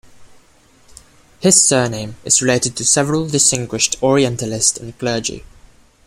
His surname is related to several distinguished Orientalists and clergy.